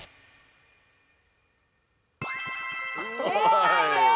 正解です！